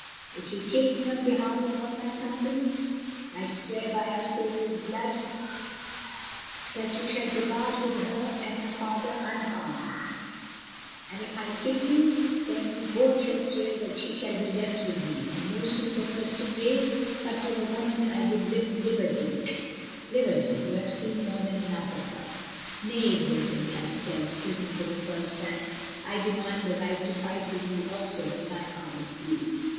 If you kill me, on behalf of all my company, I swear by our Saviour's Blood that you shall depart with her and her father unharmed, and if I kill you, then you both shall swear that she shall be left with me, and no suit or question raised but to her woman I give liberty, who have seen more than enough of her." "Nay," broke in Castell, speaking for the first time, "I demand the right to fight with you also when my arm is healed."